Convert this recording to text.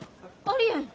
ありえん。